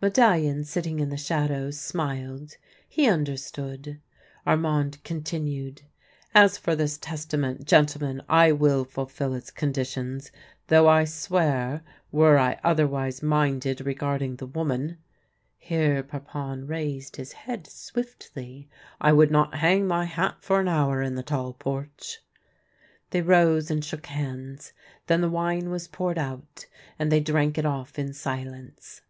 Medallion, sitting in the shadow, smiled. He under stood. Armand continued :" As for this testament, gentlemen, I will fulfil its conditions ; though I swear, were I otherwise minded regarding the woman "— here Parpon raised liis head swiftly —" I would not hang my hat for an hour in the Tall Porch." They rose and shook hands, then the wine was poured out, and they drank it off in silence.